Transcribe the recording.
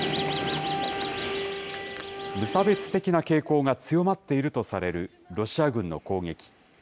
無差別的な傾向が強まっているとされるロシア軍の攻撃。